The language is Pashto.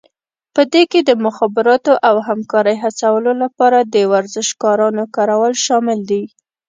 په دې کې د مخابراتو او همکارۍ هڅولو لپاره د ورزشکارانو کارول شامل دي